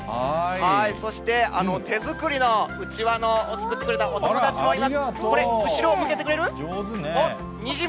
そして、手作りのうちわを作ってくれたお友達もいます。